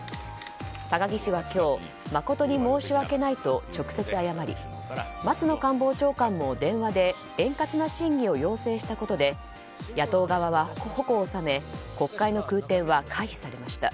高木氏は今日、誠に申し訳ないと直接謝り松野官房長官も電話で円滑な審議を要請したことで野党側は矛を収め国会の空転は回避されました。